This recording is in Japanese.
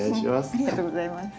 ありがとうございます。